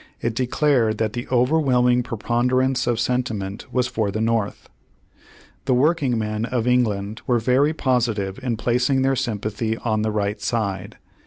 It declared that the "overwhelming preponder ance of sentiment was for the North." The workingmen of England were very posi tive in placing their sympathy on the right side.